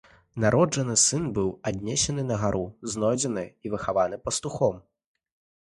Народжаны сын быў аднесены на гару, знойдзены і выхаваны пастухом.